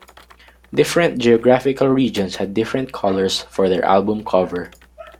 Different geographical regions had different colours for their album cover.